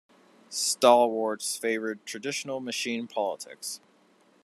Stalwarts favored traditional machine politics.